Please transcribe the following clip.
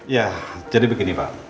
ya jadi begini pak